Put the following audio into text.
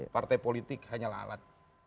partai politik hanyalah alat